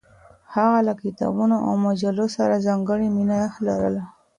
هغه له کتابونو او مجلو سره ځانګړې مینه لرله.